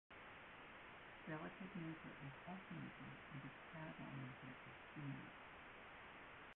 Its relative major is F major, and its parallel major is D major.